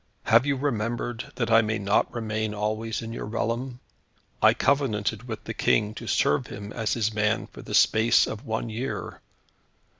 Have you remembered that I may not remain always in your realm? I covenanted with the King to serve him as his man for the space of one year.